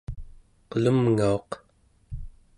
qelemngauq